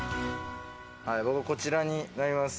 僕はこちらになります。